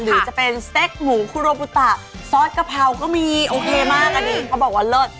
หรือจะเป็นเซ็กหมูคุโรบุตะซอสกะเพราก็มีโอเคมากอันนี้เขาบอกว่าเลิศ